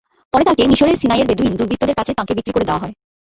পরে তাঁকে মিসরের সিনাইয়ের বেদুইন দুর্বৃত্তদের কাছে তাঁকে বিক্রি করে দেওয়া হয়।